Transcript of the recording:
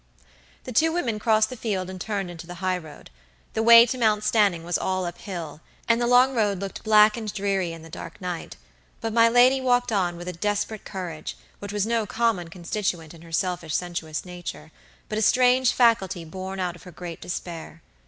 The two women crossed the field and turned into the high road. The way to Mount Stanning was all up hill, and the long road looked black and dreary in the dark night; but my lady walked on with a desperate courage, which was no common constituent in her selfish sensuous nature, but a strange faculty born out of her great despair.